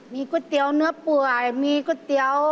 มีก๋วยเตี๋ยวเนื้อป่วยมีก๋วยเตี๋ยว